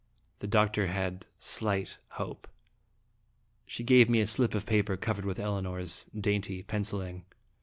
The doctor had slight hope. She gave me a slip of paper covered with Elinor's dainty penciling.